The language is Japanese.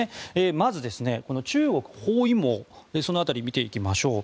まず、中国包囲網その辺りを見ていきましょう。